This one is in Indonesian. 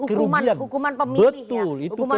itu hukuman pemilih ya